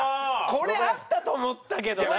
これ合ったと思ったけどな。